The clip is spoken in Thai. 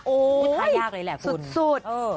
อุ้ยยยยยสุด